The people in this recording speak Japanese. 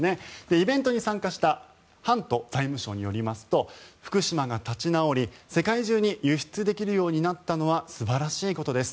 イベントに参加したハント財務相によりますと福島が立ち直り、世界中に輸出できるようになったのは素晴らしいことです